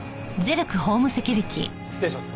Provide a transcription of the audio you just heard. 失礼します。